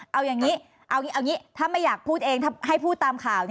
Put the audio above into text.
เอาอย่างนี้ถ้าไม่อยากพูดเองให้พูดตามข่าว